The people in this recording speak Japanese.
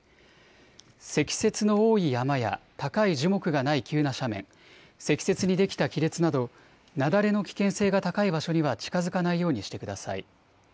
積雪の多い山や高い樹木がない急な斜面、積雪にできた亀裂など雪崩の危険性が高い場所には近づかないようにしてください。